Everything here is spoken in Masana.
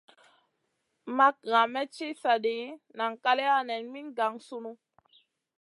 Makŋa may ci sa ɗi nan kaleya nen min gangsunu.